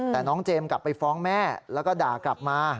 แต่น้องเจมส์กลับไปฟ้องแม่แล้วก็ด่ากลับมา